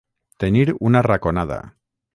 Tenir una raconada.